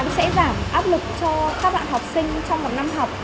sẽ giảm áp lực cho các bạn học sinh trong một năm học